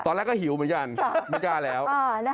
ตอนแรกก็หิวเหมือนกันไม่กล้าแล้ว